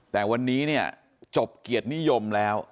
แต่วันนี้เนี่ยจบเกียรตินิยมแล้ว